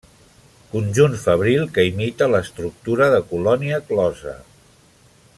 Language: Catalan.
Conjunt fabril que imita l'estructura de colònia closa.